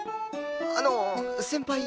あの先輩？